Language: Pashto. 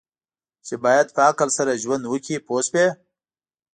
چې باید په عقل سره ژوند وکړي پوه شوې!.